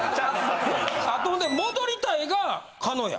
あとほんで戻りたいが狩野や。